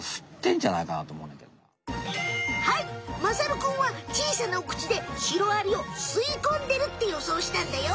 はいまさるくんは小さなお口でシロアリを吸いこんでるってよそうしたんだよ。